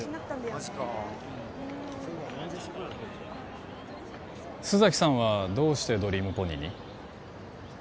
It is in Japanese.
マジか須崎さんはどうしてドリームポニーに？